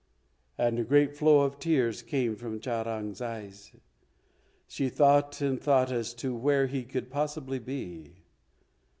And a great flow of tears came from Charan's eyes. She thought and thought as to where he could possibly be.